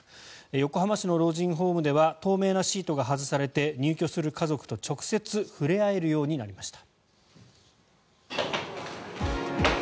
横浜市の老人ホームでは透明のシートが外されて入居する家族と直接触れ合えるようになりました。